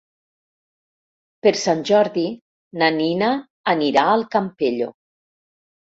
Per Sant Jordi na Nina anirà al Campello.